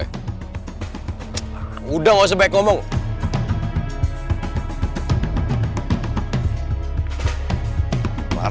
pokoknya sekarang lu cari tahu alamat rumah baru yang si clara sama roy